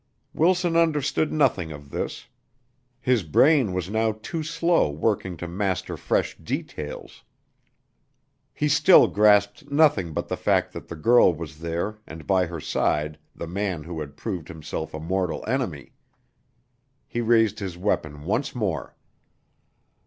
Wilson understood nothing of this. His brain was now too slow working to master fresh details. He still grasped nothing but the fact that the girl was there and by her side the man who had proved himself a mortal enemy. He raised his weapon once more.